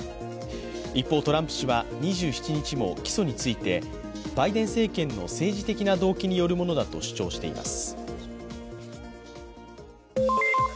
一方、トランプ氏は２７日も起訴についてバイデン政権の政治的な動機によるものだと主張しています。